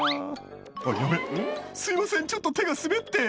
「あっヤベっすいませんちょっと手が滑って」